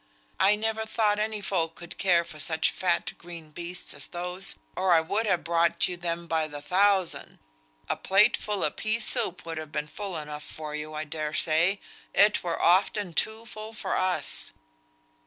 I never thought any folk could care for such fat green beasts as those, or I would ha' brought you them by the thousand. A plate full o' peas soup would ha' been full enough for you, I dare say; it were often too full for us."